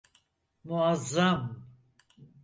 Muazzam!